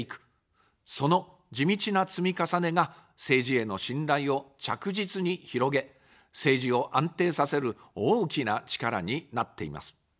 その地道な積み重ねが政治への信頼を着実に広げ、政治を安定させる大きな力になっています。